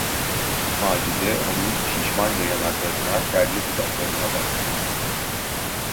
Macide onun şişmanca yanaklarına, terli dudaklarına baktı.